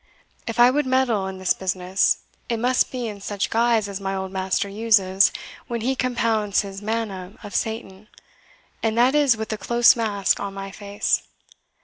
If I would meddle in this business, it must be in such guise as my old master uses when he compounds his manna of Satan, and that is with a close mask on my face.